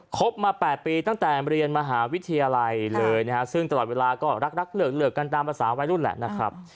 บมา๘ปีตั้งแต่เรียนมหาวิทยาลัยเลยนะฮะซึ่งตลอดเวลาก็รักเลิกกันตามภาษาวัยรุ่นแหละนะครับ